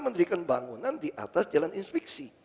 mendirikan bangunan di atas jalan inspeksi